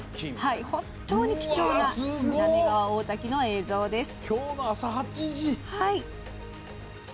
本当に貴重な滑川大滝の映像です。